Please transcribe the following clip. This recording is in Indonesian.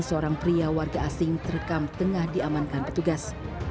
seorang pria warga asing terekam tengah diamankan petugas